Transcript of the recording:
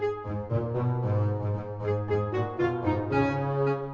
enak banget cuy